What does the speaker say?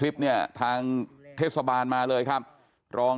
เดี๋ยวป้าพายไปดู